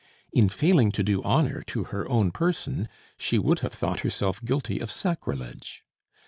In failing to do honor to her own person, she would have thought herself guilty of sacrilege.